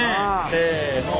せの。